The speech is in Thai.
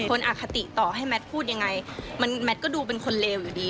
อคติต่อให้แมทพูดยังไงมันแมทก็ดูเป็นคนเลวอยู่ดี